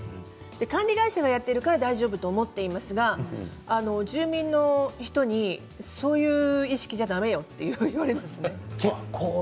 管理会社がやっているから大丈夫と思っていますが住民の人にそういう意識じゃだめよと言われました。